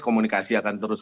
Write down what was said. komunikasi akan terus